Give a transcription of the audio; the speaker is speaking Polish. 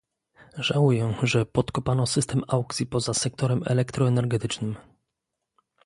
Żałuję, że podkopano system aukcji poza sektorem elektroenergetycznym